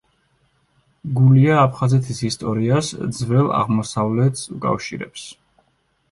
გულია აფხაზეთის ისტორიას ძველ აღმოსავლეთს უკავშირებს.